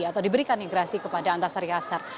atau diberikan negrasi kepada antasari azhar